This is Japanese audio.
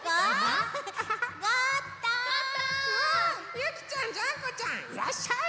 ゆきちゃんジャンコちゃんいらっしゃい！